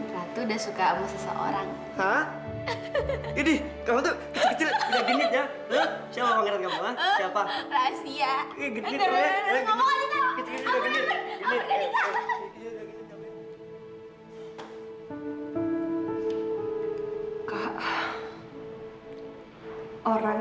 ratu udah suka sama seseorang